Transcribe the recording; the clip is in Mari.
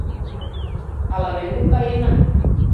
— Ала мӧҥгӧ каена?